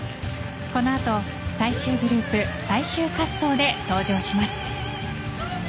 この後、最終グループ最終滑走で登場します。